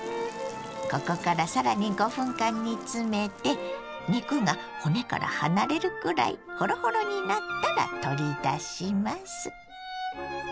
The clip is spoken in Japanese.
ここからさらに５分間煮詰めて肉が骨から離れるくらいホロホロになったら取り出します。